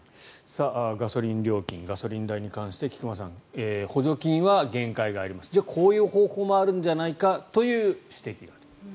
ガソリン料金ガソリン代に関して、菊間さん補助金は限界がありますじゃあこういう方法もあるんじゃないかという指摘がある。